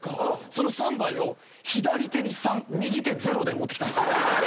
その３杯左手に３右手ゼロで持ってきたんですよ。